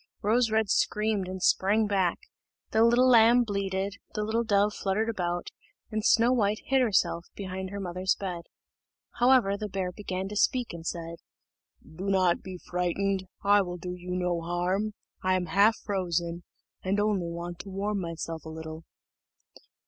Rose red screamed and sprang back, the little lamb bleated, the little dove fluttered about, and Snow white hid herself behind her mother's bed. However, the bear began to speak, and said, "Do not be frightened, I will do you no harm; I am half frozen, and only want to warm myself a little."